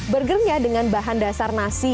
burgernya dengan bahan dasar nasi